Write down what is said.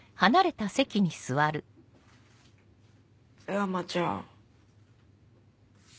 山ちゃん。